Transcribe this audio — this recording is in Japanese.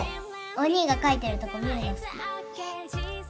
お兄が描いてるとこ見るの好き。